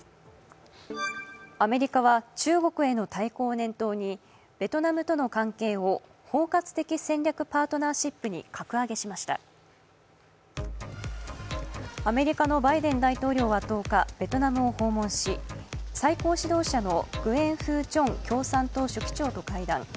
アメリカは中国への対抗を念頭にベトナムとの関係を包括的戦略パートナーシップに格上げしましたアメリカのバイデン大統領は１０日、ベトナムを訪問し、最高指導者のグエン・フー・チョン協賛党書記長と会談。